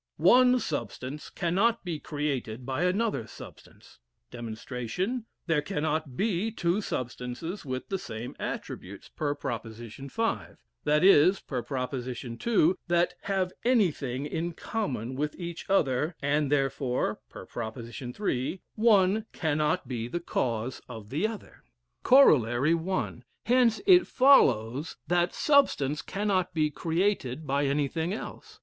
One substance cannot be created by another substance. Dem. There cannot be two substances with the same attributes (per prop, five) that is (per prop. two,) that hare anything in common with each other; and, therefore (per prop, three,) one cannot be the cause of the other. Corollary 1. Hence it follows that substance cannot be created by anything else.